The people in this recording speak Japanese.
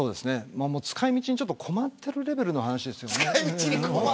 使い道に困ってるレベルの話ですよね。